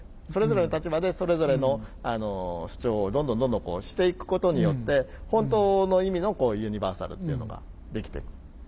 それぞれの立場でそれぞれの主張をどんどんどんどんしていくことによって本当の意味のユニバーサルっていうのができてくる。